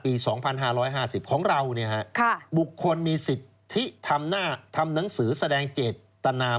ปี๒๕๕๐ของเราบุคคลมีสิทธิทำหน้าทำหนังสือแสดงเจตนา